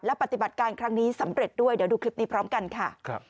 ปฏิบัติการครั้งนี้สำเร็จด้วยเดี๋ยวดูคลิปนี้พร้อมกันค่ะ